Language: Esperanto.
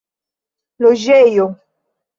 loĝejo